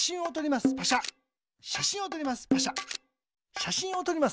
しゃしんをとります。